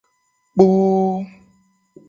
Kpoo.